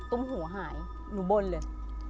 ตุ้มหูหายหนูบนเลย